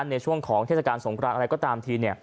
ในช่วงของเทศกาลสงครานอะไรก็ตามที